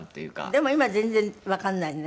でも今全然わかんないね。